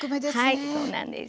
はいそうなんです。